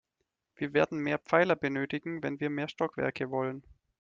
Wir werden mehr Pfeiler benötigen, wenn wir mehr Stockwerke wollen.